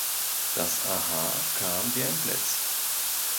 Das Aha kam wie ein Blitz.